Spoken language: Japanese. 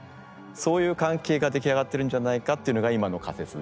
そういう関係ができ上がってるんじゃないかっていうのが今の仮説で。